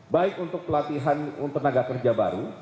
baik untuk pelatihan tenaga kerja baru